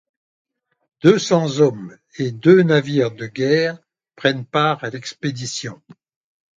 Deux cents hommes et deux navires de guerre prennent part à l'expédition.